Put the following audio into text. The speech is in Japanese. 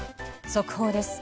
速報です。